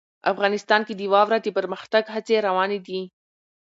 افغانستان کې د واوره د پرمختګ هڅې روانې دي.